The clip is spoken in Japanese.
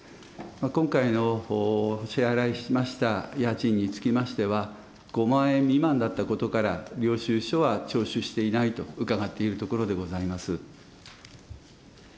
今回の支払いしました家賃につきましては、５万円未満だったことから、領収書は徴収していないと伺っているところでございます。